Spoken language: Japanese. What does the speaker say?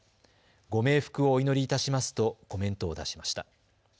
ご冥福をお祈りいたしますとコメントを出しました。